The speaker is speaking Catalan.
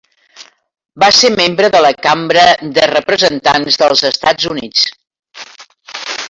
Va ser membre de la Cambra de Representants dels Estats Units.